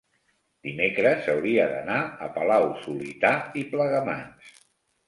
dimecres hauria d'anar a Palau-solità i Plegamans.